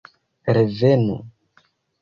Revenu!!